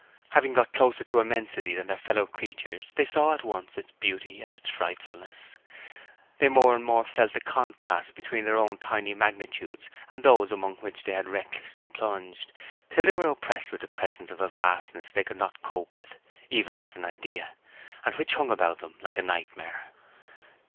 Having got closer to immensity than their fellow creatures, they saw at once its beauty and its frightfulness. They more and more felt the contrast between their own tiny magnitudes and those among which they had recklessly plunged, till they were oppressed with the presence of a vastness they could not cope with even as an idea, and which hung about them like a nightmare.